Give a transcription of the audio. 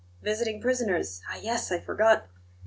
Visiting prisoners ah, yes! I forgot.